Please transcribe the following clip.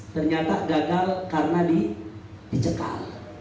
ternyata gagal karena dicekal